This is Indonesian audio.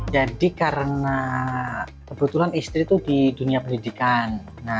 jadi karena kebetulan istri itu di dunia pendidikan